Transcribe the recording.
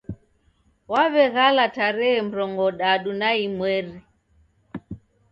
Waw'egala tarehe murongodadu na imweri